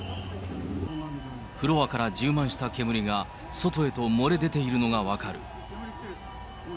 フロアから充満した煙が、外へと漏れ出ているのが分かる。